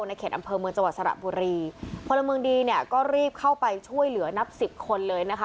ในเขตอำเภอเมืองจังหวัดสระบุรีพลเมืองดีเนี่ยก็รีบเข้าไปช่วยเหลือนับสิบคนเลยนะคะ